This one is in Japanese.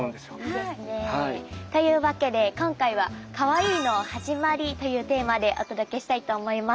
というわけで今回は「かわいいの始まり」というテーマでお届けしたいと思います。